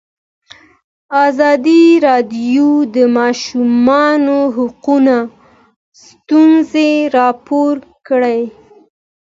ازادي راډیو د د ماشومانو حقونه ستونزې راپور کړي.